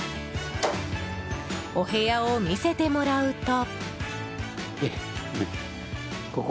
お部屋を見せてもらうと。